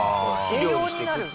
栄養になる？